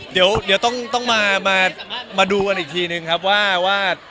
เดี๋ยวต้องมาดูกันอีกทีนึงครับว่า